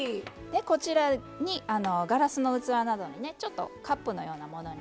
こちらにガラスの器などにねちょっとカップのようなものに。